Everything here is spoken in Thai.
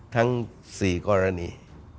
ทั้ง๔กรณี